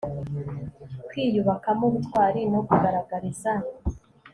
kwiyubakamo ubutwari no kugaragariza